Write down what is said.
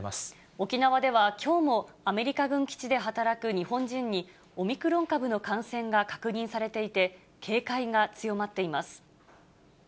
沖縄では、きょうもアメリカ軍基地で働く日本人に、オミクロン株の感染が確認されていて、警戒が強まっています。